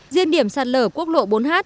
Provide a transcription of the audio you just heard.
riêng điểm sạt lở quốc lộ bốn h